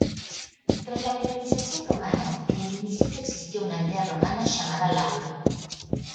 Tras la colonización romana, en el municipio existió una aldea romana llamada "Lauro".